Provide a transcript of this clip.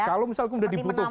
kalau misalkan sudah dibutuhkan